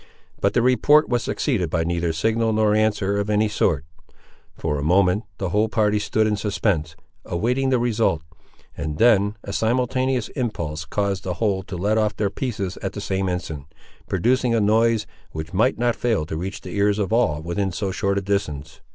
But the report was succeeded by neither signal nor answer of any sort. For a moment, the whole party stood in suspense, awaiting the result, and then a simultaneous impulse caused the whole to let off their pieces at the same instant, producing a noise which might not fail to reach the ears of all within so short a distance.